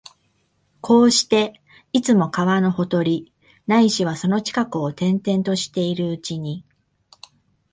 こうして、いつも川のほとり、ないしはその近くを転々としているうちに、